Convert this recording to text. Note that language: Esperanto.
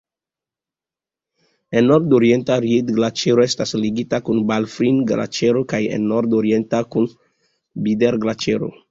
En nordoriento Ried-Glaĉero Estas ligita kun Balfrin-Glaĉero kaj en nordoriento kun Bider-Glaĉero.